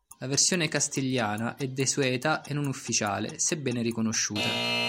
La versione castigliana è desueta e non ufficiale, sebbene riconosciuta.